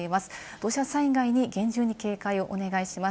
土砂災害に厳重に警戒をお願いします。